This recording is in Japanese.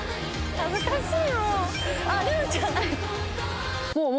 恥ずかしい。